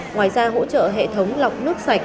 ngoài ra hỗ trợ hệ thống lọc nước sạch